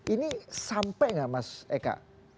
ini sampai nggak mas eka